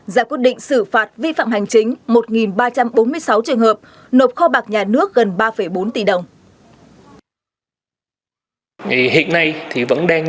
giả quyết định xử phạt vi phạm hành chính một ba trăm bốn mươi sáu trường hợp nộp kho bạc nhà nước gần ba bốn tỷ đồng